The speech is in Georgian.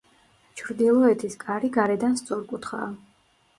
ჩრდილოეთის კარი გარედან სწორკუთხაა.